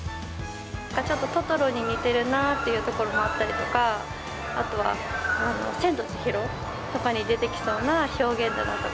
ちょっとトトロに似てるなっていうところもあったりとか、あとは千と千尋とかに出てきそうな表現だなとか。